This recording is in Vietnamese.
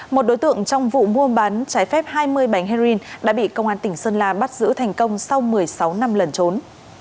một đối tượng trong vụ mua bán trái phép hai mươi bánh heroin đã bị công an tỉnh sơn la bắt giữ thành công sau một mươi sáu năm lần trốn